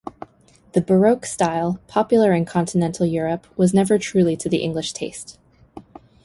The baroque style, popular in continental Europe was never truly to the English taste.